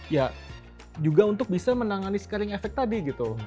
ya juga untuk bisa menangani scaring efek tadi gitu